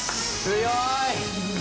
強い！